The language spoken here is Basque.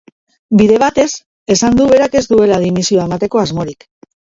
Bide batez, esan du berak ez duela dimisioa emateko asmorik.